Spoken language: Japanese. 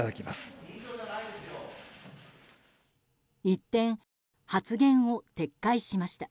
一転、発言を撤回しました。